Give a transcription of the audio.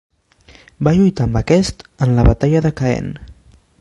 Va lluitar amb aquest en la Batalla de Caen.